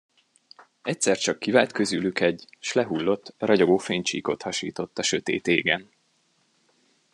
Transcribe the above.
Egyszer csak kivált közülük egy, s lehullott; ragyogó fénycsíkot hasított a sötét égen.